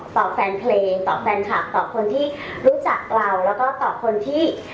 แฟนเพลงต่อแฟนคลับต่อคนที่รู้จักเราแล้วก็ต่อคนที่